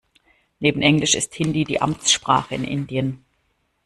Neben Englisch ist Hindi die Amtssprache in Indien.